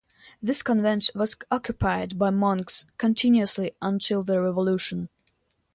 This convent was occupied by monks continuously until the Revolution.